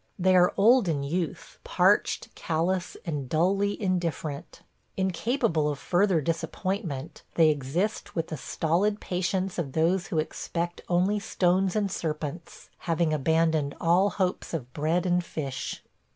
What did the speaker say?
They are old in youth, parched, callous, and dully indifferent. Incapable of further disappointment, they exist with the stolid patience of those who expect only stones and serpents, having abandoned all hopes of bread and fish.